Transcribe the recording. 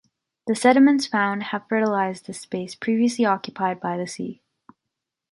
The sediments found have fertilized this space previously occupied by the sea.